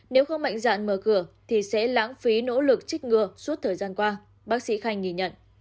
nếu không mạnh dạn mở cửa thì sẽ lãng phí nỗ lực trích ngừa suốt thời gian qua bác sĩ khanh nhìn nhận